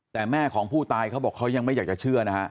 แต่แม่ของผู้ตายเขาบอกเขายังไม่อยากจะเชื่อนะฮะ